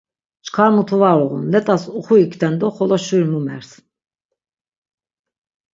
Çkar mutu var uğun, let̆as uxuikten do xolo şuri mumers.